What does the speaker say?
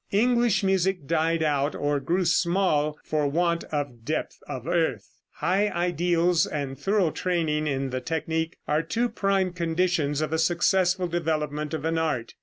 English music died out, or grew small, for want of depth of earth. High ideals and thorough training in the technique are two prime conditions of a successful development of an art.